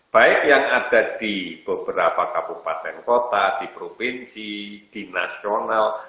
baik yang ada di beberapa kabupaten kota di provinsi di nasional